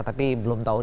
tapi belum tau